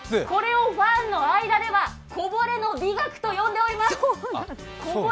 これをファンの間では、こぼれの美学と呼んでおります。